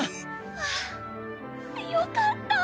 はぁよかった。